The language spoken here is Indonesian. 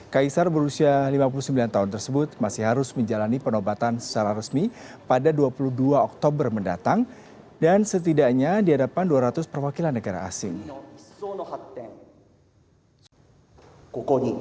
kaisar berusia lima puluh sembilan tahun tersebut masih harus menjalani penobatan secara resmi pada dua puluh dua oktober mendatang dan setidaknya di hadapan dua ratus perwakilan negara asing